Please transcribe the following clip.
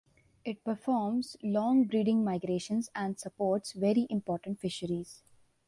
It performs long breeding migrations and supports very important fisheries.